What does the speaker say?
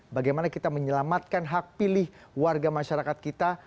bagaimana kita menyelamatkan hak pilih warga masyarakat kita